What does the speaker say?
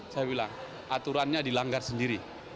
saya bilang aturannya dilanggar sendiri